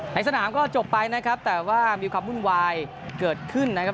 ในสนามก็จบไปนะครับแต่ว่ามีความวุ่นวายเกิดขึ้นนะครับ